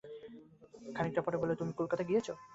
খানিকটা পরে বলিল, তুমি কলকাতা গিয়েচ?